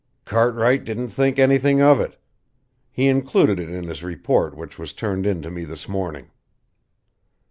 "Cartwright didn't think anything of it. He included it in his report which was turned in to me this morning."